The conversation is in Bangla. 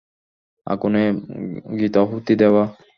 আগুনে ঘৃতাহুতি দেওয়া।